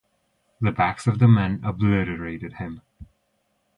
The backs of the men obliterated him.